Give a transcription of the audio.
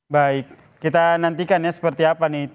baik kita nantikan ya seperti apa nih